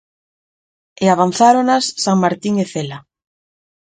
E avanzáronas Sanmartín e Cela.